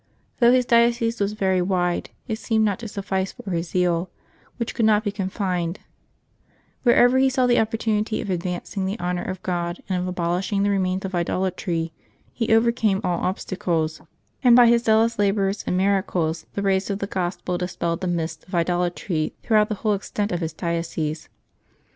Though his diocese was very wide, it seemed not to suffice for his zeal, which could not be confined; wherever he saw the opportunity of advancing the honor of God, and of abolishing the remains of idolatry, he overcame all obstacles, and by his zealous labors and miracles the rays of the Gospel dispelled the mists of idolatry throughout the whole extent of his diocese.